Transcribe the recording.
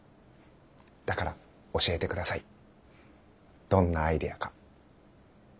だから教えて下さいどんなアイデアか。